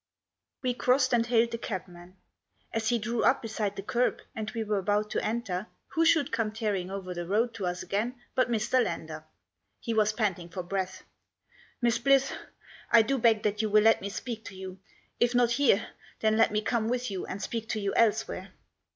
We crossed and hailed the cabman. As he drew up beside the kerb, and we were about to enter, who should come tearing over the road to us again but Mr. Lander. He was panting for breath. " Miss Blyth, I do beg that you will let me speak to you. If not here, then let me come with you and speak to you elsewhere."